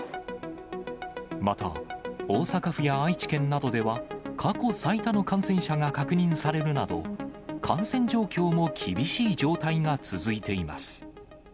また大阪府や愛知県などでは、過去最多の感染者が確認されるなど、感染状況も厳しい状態が続いています。